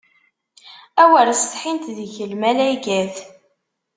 Awer setḥint deg-k lmalaykat!